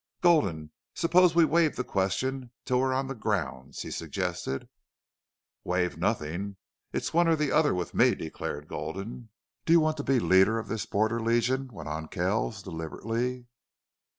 "Gulden, suppose we waive the question till we're on the grounds?" he suggested. "Waive nothing. It's one or the other with me," declared Gulden. "Do you want to be leader of this Border Legion?" went on Kells, deliberately.